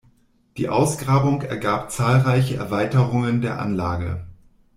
Die Ausgrabung ergab zahlreiche Erweiterungen der Anlage.